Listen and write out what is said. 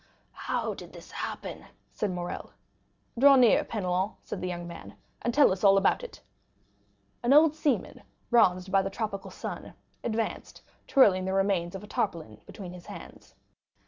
"How did this happen?" said Morrel. "Draw nearer, Penelon," said the young man, "and tell us all about it." An old seaman, bronzed by the tropical sun, advanced, twirling the remains of a hat between his hands.